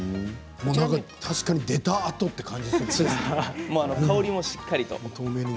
確かに出たあとという感じがしますね。